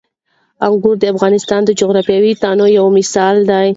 انګور د افغانستان د جغرافیوي تنوع یو مثال دی.